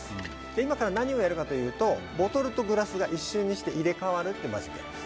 今から何をやるかというとボトルとグラスが一瞬にして入れ替わるってマジックやります